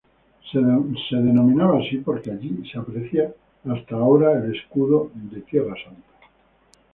Se denomina así porque allí se aprecia hasta ahora el escudo de tierra Santa.